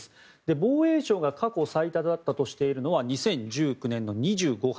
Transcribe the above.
防衛省が過去最多だったとしているのは２０１９年の２５発。